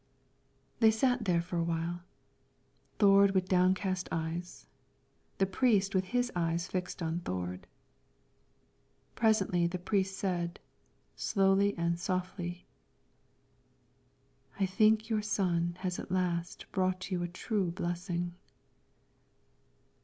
They sat there for awhile, Thord with downcast eyes, the priest with his eyes fixed on Thord. Presently the priest said, slowly and softly: "I think your son has at last brought you a true blessing."